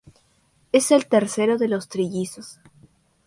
Es el tercero de los trillizos.